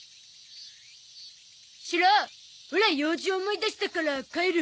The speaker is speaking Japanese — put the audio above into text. シロオラ用事思い出したから帰る。